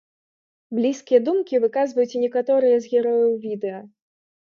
Блізкія думкі выказваюць і некаторыя з герояў відэа.